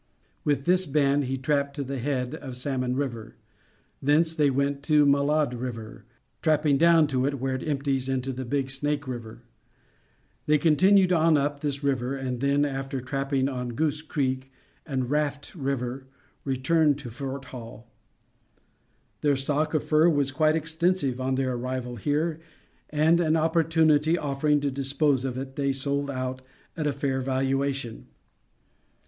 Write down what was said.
With this band he trapped to the head of Salmon River. Thence they went to Malade River, trapping down it to where it empties into the Big Snake River. They continued on up this latter river, and then, after trapping on Goose Creek and Raft River, returned to Fort Hall. Their stock of fur was quite extensive on their arrival here and, an opportunity offering to dispose of it, they sold out at a fair valuation.